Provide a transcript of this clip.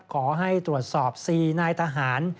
ขอให้ตรวจสอบ๔นายทหาร